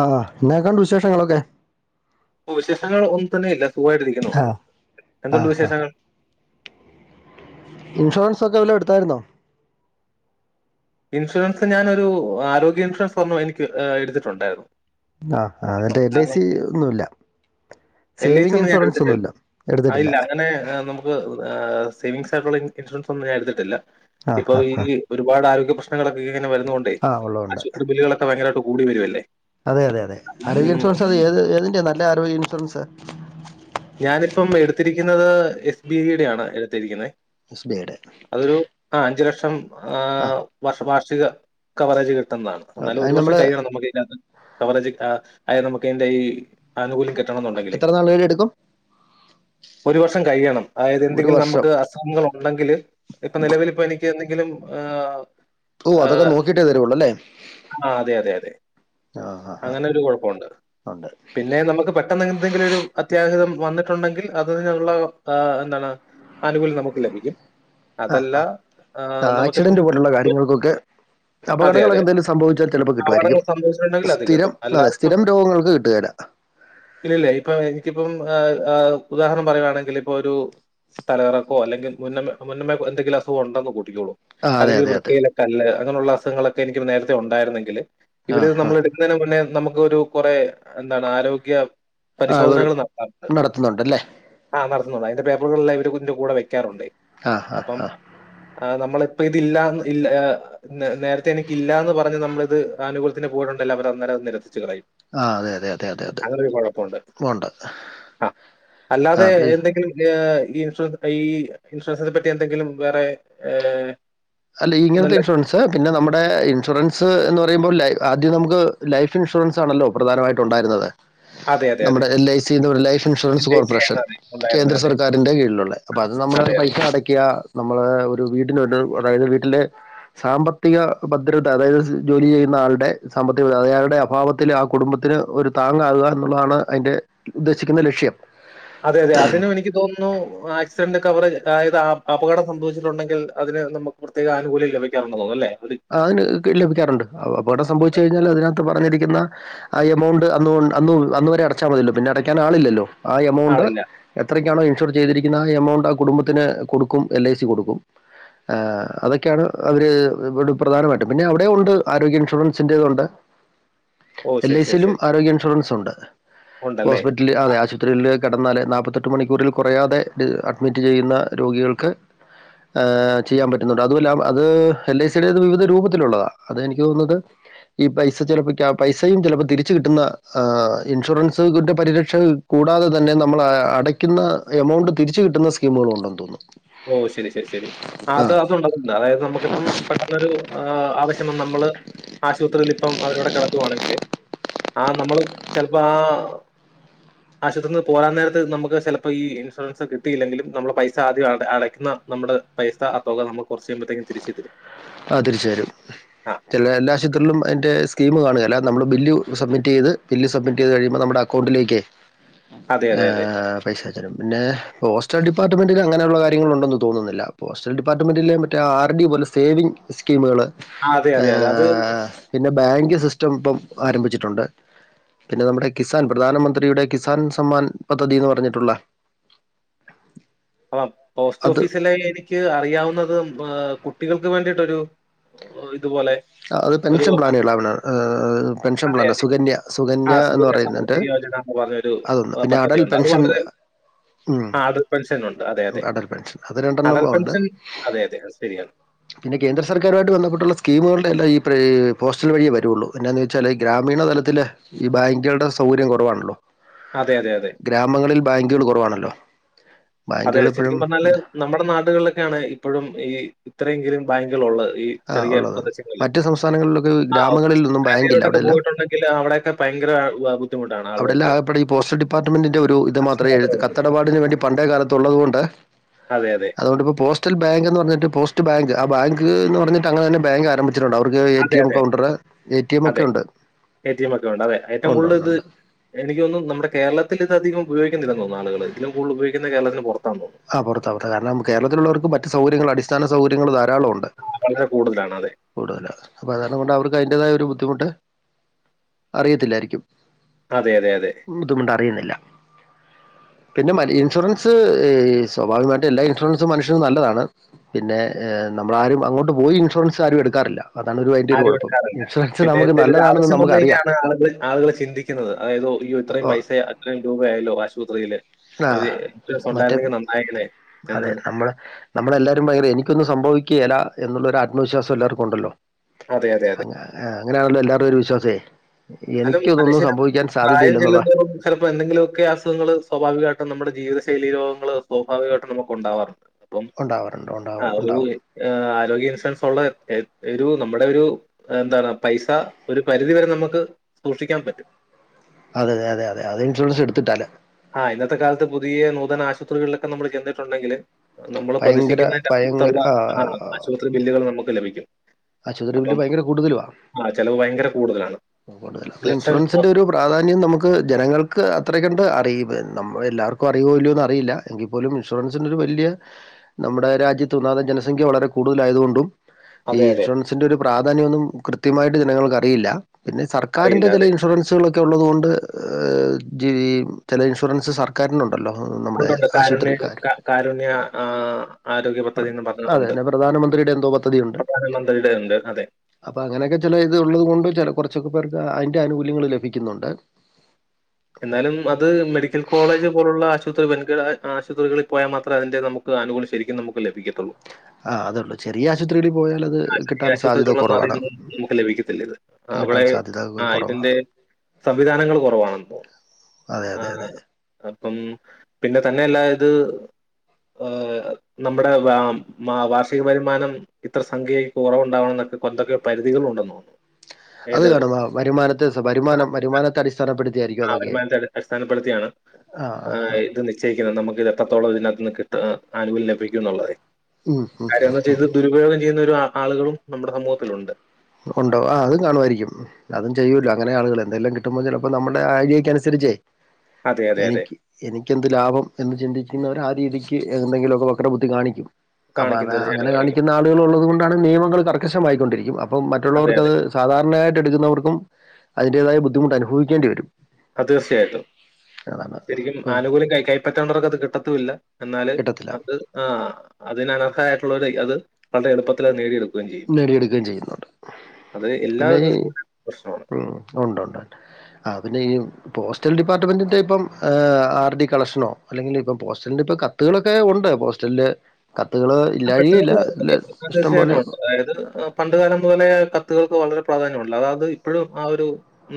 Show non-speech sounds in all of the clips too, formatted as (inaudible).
ആഹ് എന്നാകൊണ്ട് വിശേഷങ്ങളൊക്കെ. ഓഹ് വിശേഷങ്ങൾ ഒന്നും തന്നെ ഇല്ല സുഖമായിട്ട് ഇരിക്കുന്നു, ആ ആ എന്തുണ്ട് ആ വിശേഷങ്ങൾ? ഇൻഷുറൻസ് ഒക്കെ വല്ലോ എടുത്തായിരുന്നോ? ഇൻഷുറൻസ് ഞാനൊരു ആരോഗ്യ ഇൻഷുറൻസ് തന്നോ എനിക്ക് എടുത്തിട്ടുണ്ടായിരുന്നു. ആഹ് എന്നിട്ട് എൽ ഐ സി ഒന്നുല്ല. എൽ ഐ സി ഒന്നും ഞാൻ എടുത്തിട്ടില്ല ആഹ് എടുത്തിട്ടില്ല ഇല്ല ആഹ് അങ്ങനെ നമ ആഹ് സേവിംഗ്സ് ആയിട്ടുള്ള ഇൻഷുറൻസ് ഒന്നും ഞാൻ എടുത്തിട്ടില്ല ആ ഇപ്പൊ ആ ഈ ആ ഒരുപാട് ആരോഗ്യ പ്രശ്നങ്ങളൊക്കെ ഇങ്ങനെ വരുന്ന കൊണ്ടേ ആ ഉള്ളതുണ്ട് ആശുപത്രി ബില്ലുകളൊക്കെ ഭയകരമായിട്ട് കൂടി വരുവല്ലേ അതെ അതെ അതെ ഉം ആരോഗ്യ ഇൻഷുറൻസ് അത് ഏത് ഏതിന്റെ നല്ല ആരോഗ്യ ഇൻഷുറൻസ് ഞാനിപ്പം എടുത്തിരിക്കുന്നത് എസ് ബി ഐയുടെ ആണ് എടുത്തിരിക്കുന്നതെ എസ് ബി ഐ ഡേ അതൊരു ആഹ് അഞ്ച് ലക്ഷം വർഷ വാർഷിക കവറേജ് കിട്ടുന്നതാണ് അതെ എന്നാലും ഒരു അതിന് വർഷം നമ്മൾ കഴിയണം നമുക്കീനാത്ത് കവറേജ് ആഹ് അയ് നമുക്ക് അതിൻ്റെ ഈ ആനുകൂല്യം കിട്ടണന്നുണ്ടെങ്കില് (unintelligible) എടുക്കും ഒരു വർഷം കഴിയണം അതായത് ഒരു എന്തെങ്കിലും വർഷം നമുക്ക് അസുഖങ്ങൾ ഉണ്ടെങ്കില് ഇപ്പൊ നിലവിലിപ്പോ എനിക്ക് എന്തെങ്കിലും ആഹ് ഓ അതൊക്കെ ആഹ് നോക്കിയിട്ടേ തരുള്ളൂ അല്ലേ അതെ അതെ അതെ ആ ആ ആ അങ്ങനെ ഒരു കുഴപ്പൊണ്ട് ഉണ്ട് പിന്നെ നമുക്ക് പെട്ടെന്ന് എന്തെങ്കിലും ഒരു അത്യാഹിതം വന്നിട്ടുണ്ടെങ്കിൽ അതിനുള്ള ആഹ് എന്താണ് ആനുകൂല്യം നമുക്ക് ലഭിക്കും ആഹ് അതല്ല ആഹ് ആഹ് ആക്സിഡന്റ് പോലുള്ള കാര്യങ്ങൾക്കൊക്കെ അതെ അതെ അപകടങ്ങളൊക്കെ എന്തെലും സംഭവിച്ചാൽ ചിലപ്പോ കിട്ടുവായിരിക്കും അപകടങ്ങൾ സംഭവിച്ചിട്ടുണ്ടെങ്കിൽ അത് സ്ഥിരം കിട്ടും. അതെ അല്ലാതെ ഇപ്പം സ്ഥിരം രോഗങ്ങൾക്ക് കിട്ടുകേലാ ഇല്ലില്ല ഇപ്പൊ എനിക്കിപ്പം ആഹ് ആഹ് ഉദാഹരണം പറയുകവാണെങ്കില് ഇപ്പൊ ഒരു തലകറക്കോ അല്ലെങ്കി മുന്ന മുന്നേ എന്തെങ്കിലും അസുഖണ്ടെന്ന് കൂട്ടിക്കോളൂ ആ അതെ അല്ലെങ്കിൽ അതെ അതെ വൃക്കയിലെ കല്ല് അങ്ങനെയുള്ള അസുഖങ്ങളൊക്കെ എനിക്ക് നേരത്തെ ഉണ്ടായിരുന്നെങ്കില് ആ ഇവര് ആ നമ്മള് എ ന് മുന്നേ നമുക്കൊരു കുറെ എന്താണ് ആരോഗ്യ ആ പരിശോധന ഒരു നടത്തുന്നുണ്ടല്ലേ ആഹ് നടത്തുന്നുണ്ട് അതിന്റെ പേപ്പറുകളെല്ലാം ഇതിന്റെ കൂടെ വെക്കാറുണ്ടേ ആ ആ അപ്പം ആ നമ്മളിപ്പ ഇതില്ലാ ഇല്ല ആഹ് നേരത്തെ എനിക്കില്ലാന്ന് പറഞ്ഞ് നമ്മളിത് ആനുകൂലത്തിൻ്റെ പോയിട്ട്ണ്ടേ അവരന്നേരം അത് നിരസിച്ച് കളയും ആഹ് അതെ അതെ അതെ അതെ അതെ അങ്ങനൊരു കുഴപ്പമുണ്ട്. പോണ്ട ആ അല്ലാതെ എന്തെങ്കിലും ഈ ഈ ഇൻഷുറൻസ് ഈ ഇൻഷുറൻസിനെ പറ്റി എന്തെങ്കിലും വേറെ ഏഹ് അല്ല ഇങ്ങനത്തെ നല്ല ഇൻഷുറൻസ് സ് പിന്നെ നമ്മുടെ ഇൻഷുറൻസ് എന്ന് പറയുമ്പോൾ ലൈ ആദ്യം നമുക്ക് ലൈഫ് ഇൻഷുറൻസ് ആണല്ലോ പ്രധാനമായിട്ട് ഉണ്ടായിരുന്നത് അതെ, അതെ, അതെ. നമ്മുടെ എൽ ഐ സിന്ന് ഒരു ലൈഫ് ഇൻഷുറൻസ് എൽഐസി ആണ് കോർപ്പറേഷൻ അതെ ഉണ്ടായിരുന്നത്. കേന്ദ്ര അതെ. സർക്കാരിന്റെ കീഴിലുള്ളെ അപ്പൊ അത് നമ്മള് അതെ, അതെ. പൈസ അടക്കുക നമ്മള് വീട്ടിനൊരു അതായത് വീട്ടിലെ സാമ്പത്തിക ഭദ്രത അതായത് ജോലി ചെയ്യുന്ന ആളുടെ സാമ്പത്തിക (unintelligible) അയാളുടെ അഭാവ ത്തിൽ ആഹ് കുടുംബത്തിന് ഒരു താങ്ങാവുക എന്നുള്ളതാണ് അതിന്റെ ഉദ്ദേശിക്കുന്ന ലക്ഷ്യം അതെ അതെ അതിനും എനിക്ക് തോന്നുന്നു ആക്സിഡന്റ് കവറേജ് അതായത് അപകടം സംഭവിച്ചിട്ടുണ്ടെങ്കിൽ അതിന് നമുക്ക് പ്രത്യേക ആനുകൂല്യം ലഭിക്കറുണ്ടന്ന് തോന്നുന്നു, അല്ലെ ഒരു അതിന് ലഭിക്കാറുണ്ട്, അപകടം സംഭവിച്ചു കഴിഞ്ഞാൽ അതിനകത്ത് പറഞ്ഞിരിക്കുന്ന ആ എമൗണ്ട് അന്ന് അന്ന് അന്ന് വരെ അടച്ചാൽ മതിയല്ലോ, പിന്നെ അടയ്ക്കാൻ ആളില്ലല്ലോ, ആ എമൗണ്ട് ആളില്ല. എത്രക്കാണോ ഇൻഷുർ ചെയ്തിരിക്കുന്ന ആ എമൗണ്ട് ആ കുടുംബത്തിന് കൊടുക്കും എൽ ഐ സി കൊടുക്കും. അഹ അതൊക്കെയാണ് അവര് ഇ പ്രധാനമായിട്ടും, പിന്നെ അവിടെയും ഉണ്ട് ആരോഗ്യ ഇൻഷുറൻസിൻ്റ ഇത് ഒണ്ട് ഓ! എൽ ശരി, ഐ ശരി, സിയിലും ശരി. ആരോഗ്യ ഇൻഷുറൻസ് ഉണ്ട്, ഉണ്ടല്ലേ? ഹോസ്പി ആ. അതെ ആശുപത്രിയിൽ കിടന്നാല് നാപത്തെട്ട് മണിക്കൂറിൽ കുറയാതെ അഡ്മിറ്റ് ചെയ്യുന്ന രോഗികൾക്ക് ആ ചെയ്യാൻ പറ്റുന്നുണ്ട് അതുമല്ലാം അത് എൽ ഐ സി ടത് വിവിധ രൂപത്തിലുള്ളതാണ് അത് എനിക്ക് തോന്നുന്നത് ഈ പൈസ ചിലപ്പോ പൈസയും ചിലപ്പോ തിരിച്ചു കിട്ടുന്ന ഇൻഷുറൻസ്ന്റെ പരിരക്ഷ കൂടാതെ തന്നെ നമ്മൾ അടയ്ക്കുന്ന എമൗണ്ട് തിരിച്ച കിട്ടുന്ന സ്കീമുകളും ഉണ്ടെന്ന് തോന്നുന്നു. ഓ ശരി, ശരി, ശരി അത് ആഹ് അത് ഉണ്ട് അത് ഉണ്ട്, അതായത് നമുക്കിപ്പം നമ്മളൊരു ആവശ്യം നമ്മള് ആശുപത്രിൽ ഇപ്പം അവരവിടെ കിടത്തുവാണെങ്കില് ആ നമ്മള് ചിലപ്പോ ആ ആശുപത്രിൽന്ന് പോരാൻ നേരത്ത് നമുക്ക് ചിലപ്പോൾ ഈ ഇൻഷുറൻസ് കിട്ടിയില്ലെങ്കും നമ്മള പൈസ ആദ്യ ആ അടക്കുന്ന നമ്മള് പൈസ ആ തുക നമ്മുക്ക് കൊറച്ച് കഴിയുമ്പഴത്തെക്കും തിരിച്ചു തരും. ആ തിരിച്ച് തരും ആ ചില എല്ലാ ആശുപത്രികളിലും അതിന്റെ സ്കീം കാണുകേല്ല നമ്മള് ബില്ല് സബ്മിറ്റ് ചെയ്ത് ബില്ല് സബ്മിറ്റ് ചെയ്ത് കഴിയുമ്പോ നമ്മട അ ക്കൗണ്ടിലേക്കേ അതെ അതെ അതെ. ഏഹ് പൈസാ തെരും, പിന്നെ പോസ്റ്റൽ ഡിപ്പാർ്മെന്റിന് അങ്ങനെയുള്ള കാര്യങ്ങളുണ്ടെന്ന് തോന്നുന്നില്ല അപ്പോ പോസ്റ്റൽ ഡിപ്പാർട്ട്മെന്റിൽ മ മറ്റേ ആർ ഡി പോലെ സേവിങ് സ്കീമുകള്. ആ അതെ അതെ അതെ അത് പിന്നെ ബാങ്ക് സിസ്റ്റം ഇപ്പം ആരംഭിച്ചിട്ടുണ്ട്. പിന്നെ നമ്മുടെ കിസാൻ പ്രധാനമന്ത്രിയുടെ കിസാൻ സമ്മാൻ പദ്ധതി എന്ന് പറഞ്ഞിട്ടുള്ള (unintelligible) അപ്പ പോസ്റ്റ് അത് ഓഫീസിലെ ആയല് എക്ക് അറിയാവുന്നുന്നത് കുട്ടികൾക്ക് വേണ്ടിയിട്ടൊരു ഇതുപോലെ അത് ഒരു പെൻഷൻ പ്ലാന്കളാണ്, പെൻഷൻ അതെ പ്ലാനാ അതെ. സുകന്യ ആ സുകന്യ എന്ന് പറയുന്നയുണ്ട് സമൃദ്ധി യോജന പറഞ്ഞൊരു പദ്ധതിയുണ്ട് അത് വളരെ ആ അഡൽറ്റ് പെൻഷൻ ഉണ്ട് അടൽറ്റ് പെൻഷൻ അത് രണ്ടെണ്ണം ഉണ്ട് അതെ അതെ അത് ശരിയാണ്. പിന്നെ കേന്ദ്ര സർക്കാരുമായി ബന്ധപ്പെട്ടിട്ടുള്ള സ്കീമുകൾ എല്ലാം ഈ പോസ്റ്റൽ വഴിയേ വരുള്ളൂ, എന്നാന്ന് വച്ചാൽ ഗ്രാമീണ തലത്തില് ഈ ബാങ്കുകളുടെ സൗകര്യം കുറവാണല്ലോ. അതെ അതെ അതെ ഗ്രാമങ്ങളിൽ ബാങ്കുകൾ കുറവാണല്ലോ അതെ ബാങ്കുകൾ ഇപ്പോഴും ശരിക്കും പറഞ്ഞാല് നമ്മുടെ നാടുകളിലൊക്കെയാണ് ഇപ്പോഴും ഈ ഇത്രയെങ്കിലും ബാങ്കുകൾ ഉള്ളത്, ഈ ആ ചെറിയ ഉള്ളത് പ്രദേശങ്ങളിലെ, മറ്റ് സംസ്ഥാനങ്ങളിലൊക്കെ ആ ഗ്രാമങ്ങളിൽ ഒന്നും ബാങ്കില്ല സക്രാന്തിയിലോട്ടൊക്കെ അവിടെയെല്ലാം പോയിട്ടുണ്ടെ എങ്കിലും അ അവിടൊക്കെ ഭയങ്കര ബുദ്ധിമുട്ടാണ് അവിടെല്ലാം ആളുകൾക്ക്. ആ അകപ്പടെ ഈ പോസ്റ്റ് ഡിപ്പാർട്ട്മെന്റിന്റെ ഒരു ഇത് മാത്രേ എഴുത്ത് കത്തെടപാടിന് വേണ്ടി പണ്ടേ കാലത്തുള്ളള്ളത് കൊണ്ട് അതെ അതെ അതുകൊണ്ട് ഇപ്പോ പോസ്റ്റൽ ബാങ്ക് എന്ന് പറഞ്ഞിട്ടിപ്പോ, പോസ്റ്റ് ബങ്ക് ആ ബാങ്ക് എന്ന് പറഞ്ഞിട്ട് അങ്ങെനെ തന്നെ ബാങ്ക് ആരംഭിച്ചു. ട്ടുണ്ട്. അവർക്ക് എ അതെ, ടി എം അതെ. കൗണ്ടർ എ ടി എം ഒക്കെ അതെ. ഉണ്ട് എടിഎം ഒക്കെ ഉണ്ട്. അതെ. ഏറ്റവും ഉണ്ട് കൂടുതൽ ഉണ്ട് ഇത് ഉണ്ട് എനിക്ക് തോന്നുന്നു നമ്മടെ കേരളത്തിൽ ഇത് അധികം ഉപയോഗിക്കുന്നില്ല തോന്നുന്നു ആളുകള്, ഇതിലും കൂടുതൽ ഉപയോഗിക്കുന്നത് കേരളത്തിന് പുറത്താണെന്ന് തോന്നുന്നു. ആ പുറത്താ പുറത്താ കാരണം കേരളത്തിലുള്ളവർക്ക് മറ്റ് സൗകര്യങ്ങൾ അടിസ്ഥാന സൗകര്യങ്ങള് ധാരാളം ഉണ്ട്. വളരെ കൂടുതലാണ് അതെ കൂടുതലാ അപ്പൊ അതാരണം കൊണ്ട് അവർക്ക് അതിന്റേതായ ഒരു ബുദ്ധിമുട്ട് അറിയത്തില്ലായിരിക്കും. അതെ അതെ അതെ ബുദ്ധിമുട്ട് അറിയുന്നില്ല പിന്നെ ഇൻഷുറൻസ്. സ്വാഭാവികമായിടട്ടും എല്ലാ ഇൻഷുറൻസും മനുഷ്യന് നല്ലതാണ് പിന്നെ നമ്മളാരും അങ്ങോട്ട് പോയി ഇൻഷുറൻസ് ആരും എടുക്കാറില്ല. അതാണ് ഒരു അയിന്റെ ഒരു ആരും കുഴപ്പം എടുക്കാറില്ല. ഇൻഷുറൻസ് നമുക്ക് നല്ലതാണെന്ന് നമുക്കറിയാം ആളുകൾ ചിന്തിക്കുന്നത് അതായത് അയ്യോ ഇത്രയും ഓ പൈസ അത്രയും രൂപ ആയല്ലോ ആശുപത്രിയില് ആ ഒരു ഇൻഷുറൻസ് മറ്റേ ഉണ്ടായിരുന്നെങ്കിൽ നന്നായേനേ അതെ എന്ന് നമ്മള് നമ്മളെല്ലാരും ഭയങ്കര എനിക്കൊന്നും സംഭവിക്കുകേല എന്നുള്ളൊരു ആത്മവിശ്വാസം എല്ലാർക്കും ഉണ്ടല്ലോ അതെ അതെ അതെ അങ്ങ് അങ്ങനെയാണല്ലോ എല്ലാരുടേം ഒരു വിശ്വാസേ എന്നാലും എനിക്ക് ഇതൊന്നും മനുഷ്യന് സംഭവിക്കാൻ പ്രായം സാധ്യതയില്ല എന്നുള്ള ചെല്ലുന്നതോറും ചിലപ്പോൾ എന്തെങ്കിലുമൊക്കെ അസുഖങ്ങൾ സ്വാഭാവികായിട്ടും നമ്മുടെ ജീവിതശൈലി രോഗങ്ങൾ സ്വാഭാവികായിട്ടും നമുക്ക് ഉണ്ടാവാറുണ്ട് അപ്പം ഉണ്ടാവാറുണ്ട് ആ ഉണ്ടാവും ഒരു ഉണ്ടാവും ആരോഗ്യ ഇൻഷുറൻസ് ഉള്ളത് ഒരു നമ്മുടെ ഒരു എന്താണ് പൈസ ഒരു പരിധിവരെ നമുക്ക് സൂക്ഷിക്കാൻ പറ്റും അതെ അത അതെ അതെ അത് ഇൻഷുറൻസ് എടുത്തിട്ടാൽ ആഹ് ഇന്നത്തെ കാലത്ത് പുതിയ നൂതന ആശുപത്രികളിലൊക്കെ നമ്മള് ചെന്നിട്ടുണ്ടെങ്കില് നമ്മൾ ഭയങ്കര പ്രതീക്ഷിക്കുന്നതിന്റെ ഭയങ്കര അപ്പറത്തുള്ള ആ ആഹ് ആശുപത്രി ബില്ലുകൾ നമുക്ക് ലഭിക്കും ആശുപത്രി ബില്ല് അപ്പം ഭയങ്കര കൂടുതലുവാ ആ ചെലവ് ഭയങ്കര കൂടുതലാണ് കൂടുതലാ അപ്പൊ ലക്ഷം ഇൻഷുറൻസിന്റെ ഒരു പ്രാധാന്യം നമുക്ക് ജനങ്ങൾക്ക് അത്ര കണ്ട് അറിവ് നമ്മൾ എല്ലാവർക്കും അറിയോ ഇല്ലയോന്ന് അറിയില്ല എങ്കിൽപ്പോലും ഇൻഷുറൻസിന്റെ ഒരു വലിയ നമ്മുടെ രാജ്യത്ത് ഒന്നാത് ജനസംഖ്യ വളരെ കൂടുതലായതുകൊണ്ടും ഈ അതെ അതെ ഇൻഷുറൻസിന്റെ ഒരു പ്രാധാന്യോന്നും കൃത്യമായിട്ട് ജനങ്ങൾക്ക് അറിയില്ല പിന്നെ സർക്കാരിന്റെ അറിയില്ല ചെല ഇൻഷുറൻസ് ച്ചുകളൊക്കെ ഒള്ളത് കൊണ്ട് ഏഹ് (unintelligible) ചെല ഇൻഷുറൻസ് സർക്കാരിന് ഒണ്ടല്ലോ ഉം നമ്മടെ ഉണ്ടുണ്ട് കാരുണ്യ ആശുപത്രിക്കാര് ക- കാരുണ്യ ആഹ് ആരോഗ്യപദ്ധതീന്ന് പറഞ്ഞ് അതെ ഒണ്ട് തന്നെ പ്രധാനമന്ത്രിയുടെ എന്തോ പദ്ധതിയുണ്ട് പ്രധാനമന്ത്രിയുടെ ഒണ്ട് അതെ അപ്പൊ അങ്ങനെയൊക്കെ ചില ഇത് ഉള്ളത് കൊണ്ട് ചെല കൊറച്ചൊക്കെ പേർക്ക് അതിന്റെ ആനുകൂല്യങ്ങൾ ലഭിക്കുന്നുണ്ട് എന്നാലും അത് മെഡിക്കൽ കോളേജ് പോലുള്ള ആശുപത്രി വൻകിട ആശുപത്രികളിൽ പോയാ മാത്രേ അതിന്റെ നമുക്ക് അനുകൂല്യം ശരിക്കും നമ്മക്ക് ലഭിക്കത്തുള്ളൂ ആഹ് അതള്ളൂ ചെറിയ ആശുപത്രിൽ പോയാൽ അത് ആശുപത്രി കിട്ടാൻ സാധ്യത ആശുപത്രികളൊന്നും അതിൽ കുറവാണ് നിന്നും നമുക്ക് ലഭിക്കത്തില്ല ഇത് കിട്ടാൻ സാധ്യത കൊറവാണ് സംവിധാനങ്ങള് കൊറവാണെന്ന് തോനുന്നു അതെ അതെ അതെ അപ്പം പിന്നെ തന്നെ അല്ലാ ഇത് ആഹ് നമ്മടെ വാ വാർഷിക വരുമാനം ഇത്ര സ് സംഖ്യേ കൊറവുണ്ടാവണം എന്നൊക്കെ കൊറച്ചൊക്കെ പരിധികൾ ഒണ്ടെന്ന് തോനുന്നു അത് കാണും വരുമാനത്തെ വരുമാനം വരുമാനത്തെ അടിസ്ഥാനപ്പെടുത്തിയായിരിക്കും ആഹ് അതൊക്കെ വരുമാനത്തെ അടി അടിസ്ഥാനപ്പെടുത്തിയാണ് ആ ഏഹ് ആ ഇത് നിക്ക് നിശ്ചയിക്കുന്നത് നമ്മക്ക് ഇത് എത്രത്തോളം ഇതിനാത്ത് നിന്ന് കിട്ട് ആനുകൂല്യം ലഭിക്കും എന്നുള്ളത് ഉം ഉം കാര്യംന്ന് വെച്ചാ ഇത് ദുരുപയോഗം ചെയ്യുന്ന ഒരു ആളുകളും നമ്മുടെ സമൂഹത്തിലുണ്ട് ഒണ്ടോ ആഹ് അതും കാണുമായിരിക്കും അതും ചെയ്യൂലോ അങ്ങനാ ആളുകള് എന്തേലും കിട്ടുമ്പോ ചിലപ്പോ നമ്മുടെ ആ ഐഡിയക്ക് അനുസരിച്ചേ അതെ അതെ അതെ എനിക്ക് എനിക്ക് എന്ത് ലാഭം എന്ന് ചിന്തിക്കുന്നവർ ആ രീതിക്ക് എന്തെങ്കിലുമൊക്കെ വക്ര ബുദ്ധി കാണിക്കും അപ്പൊ കാണിക്കും അതാ അങ്ങനെ തീർച്ചയായിട്ടും കാണിക്കും കാണിക്കുന്ന ആളുകൾ ഒള്ളത് കൊണ്ടാണ് നിയമങ്ങൾ കർക്കശമായിക്കൊണ്ടിരിക്കും അപ്പൊ അതെ അതെ മറ്റുള്ളവർക്കത് സാധാരണായിട്ട് എടുക്കുന്നവർക്കും അതിൻ്റേതായ ബുദ്ധിമുട്ട് അനുഭവിക്കേണ്ടി വെരും ആഹ് തീർച്ചയായിട്ടും ശരിക്കും ആനുകൂല്യം കൈ കയ്പ്പറ്റേണ്ടവർക്ക് അത് കിട്ടത്തൂല്ല എന്നാല് കിട്ടത്തില്ല അത് ആഹ് അതിന് അനർഹായിട്ടുള്ളവര് അത് വളരെ എളുപ്പത്തി അത് നേടിയെടുക്കും നേടിയെടുക്കുകയും ചെയ്യുന്നുണ്ട് അത് പിന്നെ ഈ എല്ലാവരും പ്രശ്നമാണ് ഉം ഒണ്ട് ഒണ്ട് ആഹ് പിന്നെ ഈ പോസ്റ്റൽ ഡിപ്പാർട്ട്മെന്റിന്റെ ഇപ്പം ആഹ് ആർ ഡി കളക്ഷനോ അല്ലെങ്കിൽ ഇപ്പം പോസ്റ്റലിന്റെ ഇപ്പം കത്തുകളൊക്കെ ഒണ്ട് പോസ്റ്റലിൻ്റെ കത്തുകള് ആ ഇല്ലാഴികയില്ല കത്തുകൾക്ക് ഇ അത് ഇഷ്ടംപോലെ തീർച്ചയായിട്ടും ഉണ്ട് അതായത് ഏഹ് പണ്ട് കാലം മുതലേ കത്തുകൾക്ക് വളരെ പ്രാധാന്യം ഒണ്ടല്ലോ അതായത് ഇപ്പഴും ആ ഒരു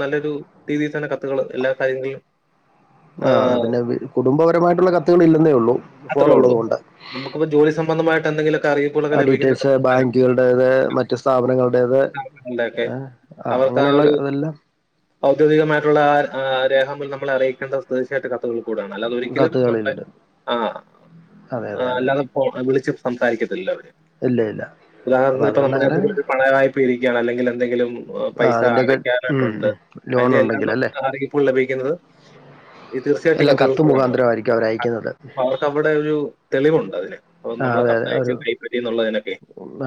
നല്ലൊരു രീതി തന്നെ കത്തുകള് എല്ലാ കാര്യങ്ങളിലും ആ, ആഹ് പിന്നെ വി കുടുംബപരമായിട്ടുള്ള കത്തുകൾ ഇല്ലെന്നേ ഉള്ളൂ ഫോൺ അത്രേ ഉള്ളൂ ഒള്ളത് കൊണ്ട് നമുക്കിപ്പോ ജോലി സംബന്ധമായിട്ട് എന്തെങ്കിലുമൊക്കെ അറിയിപ്പുകളൊക്കെ ആഹ് ഡീറ്റെൽസ് ലഭിക്കുന്നുണ്ടെങ്കിലൊക്കെ ബാങ്കുകളടേത് മറ്റ് മറ്റ് സ്ഥാപനങ്ങളുടേത് ആഹ് അവർക്ക് ആ അങ്ങനെയുള്ള ഒരു ഇതെല്ലാം ഔദ്യോഗികമായിട്ടുള്ള ആഹ് രേഖാമൂലം നമ്മളെ അറിയിക്കേണ്ടത് തീർച്ചയായിട്ടും കത്തുകളി കൂടെയാണ് അല്ലാത ഒരിക്കലും നമ്മളെ കത്തുകളിലുണ്ട് ആഹ് അതെ ആ അതെ അതെ അല്ലാതെ ഫോ വിളിച്ച് സംസാരിക്കത്തില്ലല്ലോ അവര് ഇല്ല ഇല്ല അപ്പൊ ഉദാഹരണത്തിന് ഇപ്പ അതുകൊണ്ട് നമ്മടെ അങ്ങനെ എന്തെങ്കിലും ഒരു പണ വായ്പ്പ ഇരിക്കയാണ് അല്ലെങ്കിൽ എന്തെങ്കിലും ഏഹ് ആ പൈസ അതിന്റെയൊക്കെ ഉം അടക്കാനായിട്ടുണ്ട് ഉം ലോൺ അതിന്റെ എല്ലാം ഉണ്ടെങ്കിൽ അല്ലേ നമ്മക്ക് അറിയിപ്പുകൾ ലഭിക്കുന്നത് ഈ തീർച്ചയായിട്ടും കത്തുകളിൽ (unintelligible) അവരയിക്കുന്നത് അവർക്ക് അവിടെ ഒരു തെളിവുണ്ട് അതിന് അപ്പൊ ആ നമ്മള് അതെ അതെ ഒരു കത്തയച്ചത് കൈപ്പറ്റി എന്നുള്ളതിനൊക്കെ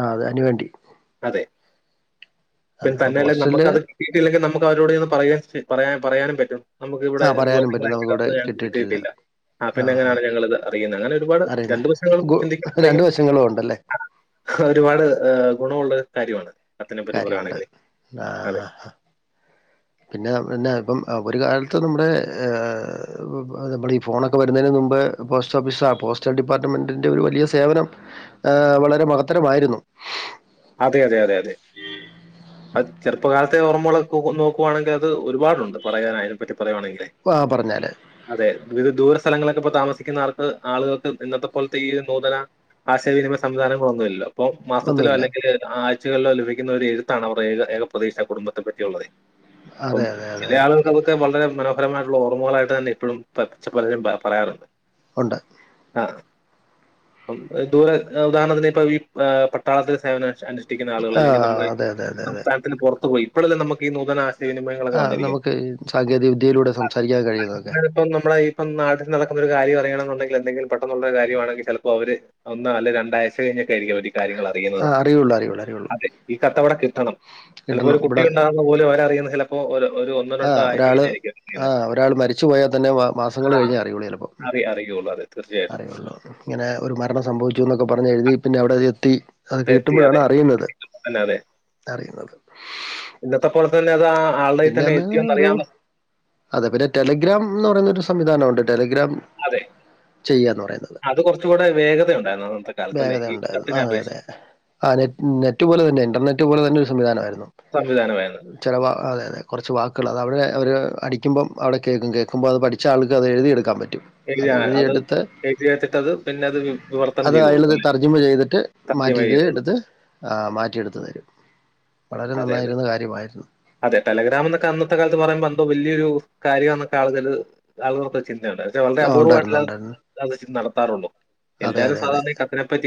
ആ അതെ അതിന് വേണ്ടി അതെ പി അതെ അപ്പൊ തന്നെയല്ല പോസ്റ്റല് നമ്മക്കത് കിട്ടീല്ലെങ്കിൽ നമുക്ക് അവരോട് ചെന്ന് പറയാ സ് പറയാൻ പറയാനും പറ്റും നമുക്ക് ഇവിടെ ആ എന്തുവാ പറയാനും നിങ്ങള് പറ്റും അയച്ച നമുക്കിവിടെ കത്ത് ഞങ്ങക്ക് കിട്ടിയിട്ടില്ല ആഹ് ആ പിന്നെ ആ എങ്ങനെയാണ് (unintelligible) അറിയുന്ന അങ്ങനെ ഒരുപാട് അറിയുന്ന രണ്ടു വശങ്ങളും ഗു രണ്ട് ചിന്തിക്കുമ്പഴ്ത്തേക്കും വശങ്ങളും ഉണ്ടല്ലേ ഒരുപാട് ഏഹ് ഗുണമുള്ള ഒരു കാര്യമാണ് കത്തിനെ പറ്റി കാര്യമുണ്ട് പറയുവാണെങ്കില് ആ അതെ ആ ആ പിന്നെ പിന്നെ ഇപ്പം ഒരു കാലത്ത് നമ്മടെ ഏഹ് നമ്മളെ ഈ ഫോണൊക്കെ വരുന്നതിന് മുമ്പ് പോസ്റ്റ് ഓഫീസ പോസ്റ്റൽ ഡിപ്പാർട്ട്മെന്റിന്റെ ഒരു വലിയ സേവനം ഏഹ് വളരെ മഹത്തരമായിരുന്നു അതെ അതെ അതെ അതെ അത് ചെറുപ്പകാലത്ത് ത്തെ ഓർമ്മകളൊക്കെ ഒന്ന് നോക്കുവാണെങ്കിൽ അത് ഒരുപാടുണ്ട് പറയാൻ അതിനെപ്പറ്റി പറയുവാണെങ്കിലേ പറഞ്ഞാല് അതെ വിദൂര സ്ഥലങ്ങളിലൊക്കെ ഇപ്പോ താമസിക്കുന്ന ആർക്ക് ആളുകൾക്ക് ഇന്നത്തെ പോലത്തെ ഈ നൂതന ആശയവിനിമയ സംവിധാനങ്ങളൊന്നുമില്ലല്ലോ പ്പം മാസത്തിലോ ഒന്നുമില്ല അല്ലെങ്കില് ആഴ്ചകളിലോ ലഭിക്കുന്ന ഒരു എഴുത്താണ് അവർടെ ഏക ഏകപ്രതീക്ഷ കുടുംബത്തെ പറ്റിയുള്ളതേ പ്പം അതെ അതെ അതെ ചില ആളുകൾ തൊക്കെ വളരെ മനോഹരമായിട്ടുള്ള ഓർമ്മകളായിട്ട് തന്നെ ഇപ്പോഴും പ പലരും പ പറയാറുണ്ട് ഉണ്ട് ആഹ് ആഹ് പ്പം ദൂര ഉദാഹരണത്തിന് ഇപ്പം ഈ പട്ടാളത്തിലെ സേവനം അനു ട്ടിക്കുന്ന ആളുകൾ ആ. അല്ലെങ്കി നമ്മടെ അതെ, അതെ, അതെ, അതെ. സംസ്ഥാനത്തിന് പുറത്ത് പോയി ഇപ്പോഴെല്ലാം നമുക്ക് ഈ നൂതന ആശയവിനിമയങ്ങളൊക്കെ ആഹ് വന്നിരിക്കുന്നത് നമുക്ക് സാങ്കേതിക വിദ്യയിലൂടെ സംസാരിക്കാൻ കഴിയുന്നൊക്കെ ഇപ്പം നമ്മുടെ ഇപ്പം നാട്ടിൽ നടക്കുന്ന ഒരു കാര്യം അറിയണെന്നുണ്ടെങ്കിൽ എന്തെങ്കിലും പെട്ടെന്നുള്ള കാര്യവാണെങ്കി ചിലപ്പോ അവര് ഒന്ന് അല്ലെ രണ്ടാഴ്ച കഴിഞ്ഞൊക്കെ ആയിരിക്കും അവര് ഈ കാര്യങ്ങൾ അറിയുന്നത് രിഉള്ളെ രിഉള്ളെ അതെ ഈ കത്തവടെ കിട്ടണം ചിലപ്പോൾ കിട്ടണം. ഒരു കുട്ടി ഇവിടെ ഉണ്ടാകുന്ന പോലും അവരറിയുന്ന ചിലപ്പോ പ്പൊ ഒരു ഒരു ഒന്നോ ആ രണ്ടോ ആഴ്ച ഒരാള് കഴിഞ്ഞായിരിക്കും ആ അറിയുന്നേ ഒരാള് മരിച്ചു പോയാ തന്നെ മാ മാസങ്ങള് ആഹ് കഴിഞ്ഞേ അറിയുള്ളൂ ചെലപ്പോ. അറി അറിയുള്ളൂ അതേ തീർച്ചയായിട്ടും അറിയുള്ളൂ. ഇങ്ങനെ ഒരു മരണം സംഭവിച്ചു എന്നൊക്കെ പറഞ്ഞ് എഴുതി പിന്നെ അവിടെ എത്തി അത് എത്തി കിട്ടുമ്പോഴാണ് അതെ അറിയുന്നത് തന്നെ അതെ അറിയുന്നത് ഇന്നത്തെ പോലെ തന്നെ അത് ആ ആളുടേയ് തന്നെ പിന്നെന്ന് എത്തിയോന്ന് ഒരു അറിയാമോ അതെ പിന്നെ ടെലിഗ്രാം എന്ന് പറയുന്നൊരു സംവിധാനമുണ്ട് ടെലിഗ്രാം അതെ അത് കുറച്ചു കൂടെ വേഗത ഉണ്ടായിരുന്നു അന്നത്തെ കാലത്തല്ലേ ഈ കത്തിനെ അപേക്ഷിച്ച് ആഹ് നെ നെറ്റ് പോലെ തന്നെ ഇന്റർനെറ്റ് പോലെ തന്നെ ഒരു സംവിധാനമായിരുന്നു സംവിധാനമായിരുന്നു ചെലവാ അതെ അതെ കുറച്ച് വാക്കുകൾ അതവിടെ അവര് അടിക്കുമ്പം അവിടെ കേൾക്കും കേൾക്കുമ്പോൾ അത് പഠിച്ച ആൾക്ക് അത് എഴുതിയെടുക്കാൻ പറ്റും അത് എഴുതിയെടുത്താൽ എഴുതി വെച്ചിട്ട് അത് പിന്നെ അത് വി- വിവർത്തനം അത് ചെയ്ത് അയാളത് കൊടുക്കും അല്ലേ തർജമ ചെയ്തിട്ട് തർജ്ജമ മാറ്റിയത് ചെയ്ത് കൊടുക്കും എടുത്ത് ആഹ് മാറ്റിയെടുത്തു തരും. വളരെ അതെ അതെ നന്നായിരുന്ന കാര്യമായിരുന്നു അതെ ടെലഗ്രാം എന്നൊക്കെ അന്നത്തെ കാലത്ത് പറയുമ്പോൾ എന്തോ വലിയൊരു കാര്യം എന്നൊക്കെ ആളുകള് ആളുകൾക്കൊക്കെ ചിന്തയുണ്ടായിരുന്നു വളരെ ആ, ഉണ്ടായിരുന്നു അപൂർവമായിട്ട ഉണ്ടായിരുന്നു (inaudible) നടത്താറുള്ളൂ അതെ എല്ലാരും അതെ അതെ സാധാരണ ഈ കത്തിനെപ്പറ്റി